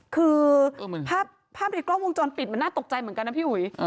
คือภาพในกล้องวงจรปิดมันน่าตกใจเหมือนกันนะพี่อุ๋ย